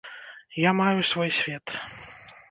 Я маю свой свет.